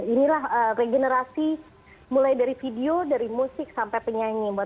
inilah regenerasi mulai dari video dari musik sampai penyanyi